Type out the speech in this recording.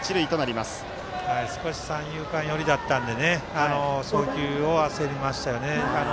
少し三遊間寄りだったんで送球を焦りましたよね。